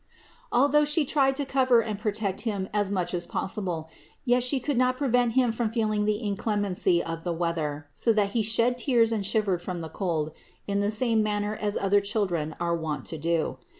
Although She tried to cover and protect Him as much 2 36 542 CITY OF GOD as possible, yet She could not prevent Him from feeling the inclemency of the weather, so that He shed tears and shivered from the cold in the same manner as other children are wont to do.